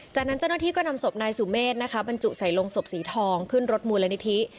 จากนั้นเจ้าหน้าที่ก็นำศพนายสุเมฆนะคะบรรจุใส่ลงศพสีทองขึ้นรถมูลนิธิ